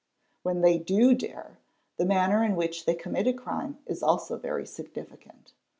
When they do dare, the manner in which they commit a crime is also very significant.